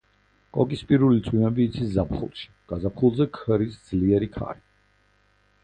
კოკისპირული წვიმები იცის ზაფხულში, გაზაფხულზე ქრის ძლიერი ქარი.